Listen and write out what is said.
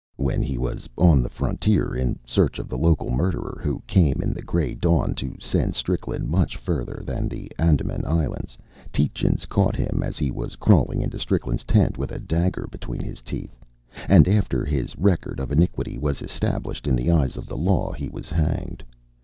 When he was on the frontier in search of the local murderer who came in the grey dawn to send Strickland much further than the Andaman Islands, Tietjens caught him as he was crawling into Strickland's tent with a dagger between his teeth, and after his record of iniquity was established in the eyes of the law, he was hanged.